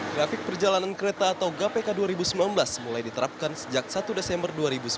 grafik perjalanan kereta atau gapeka dua ribu sembilan belas mulai diterapkan sejak satu desember dua ribu sembilan belas